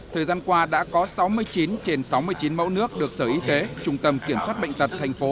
thời gian qua đã có sáu mươi chín trên sáu mươi chín mẫu nước được sở y tế trung tâm kiểm soát bệnh tật thành phố